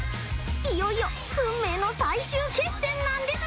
いよいよ運命の最終決戦ナンデス！